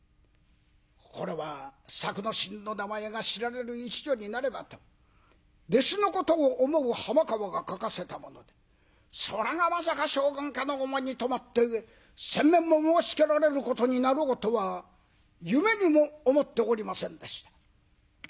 これは作之進の名前が知られる一助になればと弟子のことを思う浜川が書かせたものでそれがまさか将軍家のお目に留まった上扇面も申しつけられることになろうとは夢にも思っておりませんでした。